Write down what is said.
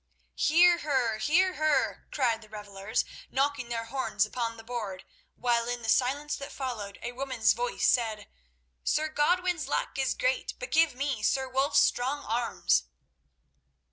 "Hear her! hear her!" cried the revellers, knocking their horns upon the board, while in the silence that followed a woman's voice said, "Sir Godwin's luck is great, but give me Sir Wulf's strong arms."